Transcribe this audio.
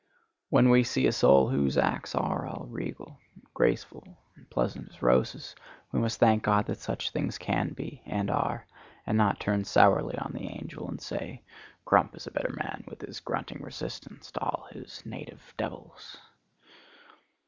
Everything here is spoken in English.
When we see a soul whose acts are all regal, graceful and pleasant as roses, we must thank God that such things can be and are, and not turn sourly on the angel and say 'Crump is a better man with his grunting resistance to all his native devils.